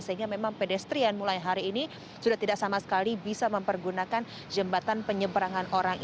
sehingga memang pedestrian mulai hari ini sudah tidak sama sekali bisa mempergunakan jembatan penyeberangan orang